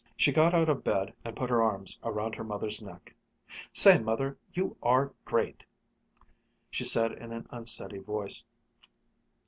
She got out of bed and put her arms around her mother's neck. "Say, Mother, you are great!" she said in an unsteady voice.